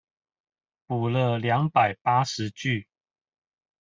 補了兩百八十句